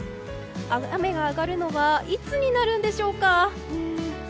雨が上がるのはいつになるんでしょうか。